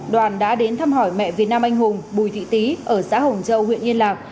đoàn đã đến thăm hỏi mẹ việt nam anh hùng bùi thị tý ở xã hồng châu huyện yên lạc